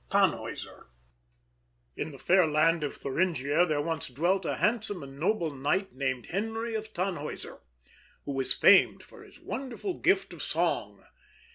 TANNHÄUSER In the fair land of Thuringia there once dwelt a handsome and noble knight, named Henry of Tannhäuser, who was famed for his wonderful gift of song.